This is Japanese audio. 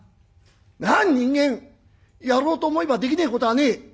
なあ人間やろうと思えばできねえことはねえ。